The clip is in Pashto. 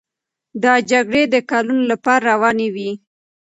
دا جګړې د کلونو لپاره روانې وې.